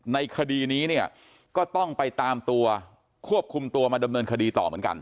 ในคดีนี้เนี่ยก็ต้องไปตามตัวควบคุมตัวมาดำเนินคดีต่อเหมือนกัน